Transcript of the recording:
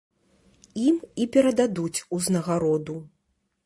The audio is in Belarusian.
Ім і перададуць узнагароду.